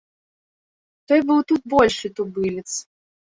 Той быў тут большы тубылец.